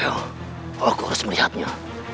ya aku harus melihatnya